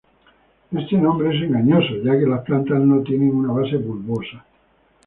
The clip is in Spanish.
Este nombre es engañoso, ya que las plantas no tienen una base bulbosa.